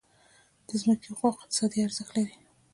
د ځمکې حقوق اقتصادي ارزښت لري.